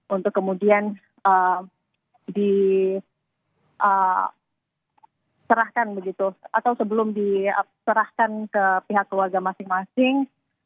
untuk kemudian diserahkan begitu atau sebelum diserahkan ke pihak keluarga masing masing